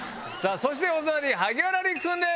そしてお隣萩原利久君です。